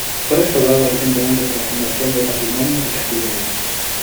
Fue restaurado recientemente por la Fundación del Patrimonio de Castilla y León.